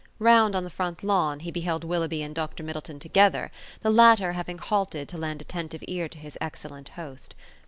Round on the front lawn, he beheld Willoughby and Dr. Middleton together, the latter having halted to lend attentive ear to his excellent host.